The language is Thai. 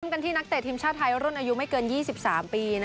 กันที่นักเตะทีมชาติไทยรุ่นอายุไม่เกิน๒๓ปี